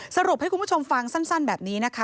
สรุปให้คุณผู้ชมฟังสั้นแบบนี้นะคะ